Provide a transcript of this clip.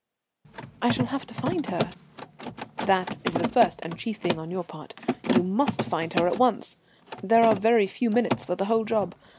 "I shall have to find her." "That is the first and chief thing on your part. You must find her at once. There are very few minutes for the whole job.